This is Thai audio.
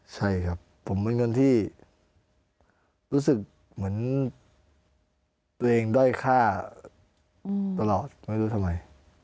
ใช่ครับผมเป็นเงินที่รู้สึกเหมือนตัวเองด้อยค่าตลอดไม่รู้ทำไม